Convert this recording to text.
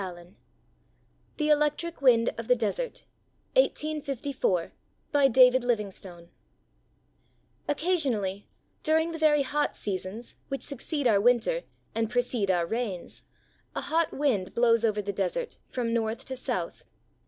388 THE ELECTRIC WIND OF THE DESERT BY DAVID LIVINGSTONE Occasionally, during the very hot seasons which suc ceed our winter and precede our rains, a hot wind blows over the desert from north to south.